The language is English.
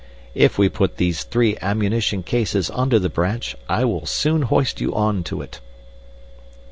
If we put these three ammunition cases under the branch, I will soon hoist you on to it."